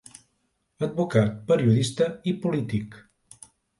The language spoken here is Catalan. Advocat, periodista i polític.